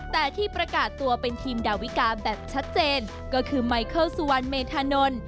แต่ที่ประกาศตัวเป็นทีมดาวิกาแบบชัดเจนก็คือไมเคิลสุวรรณเมธานนท์